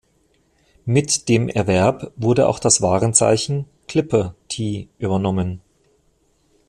Mit dem Erwerb wurde auch das Warenzeichen "Clipper Tee" übernommen.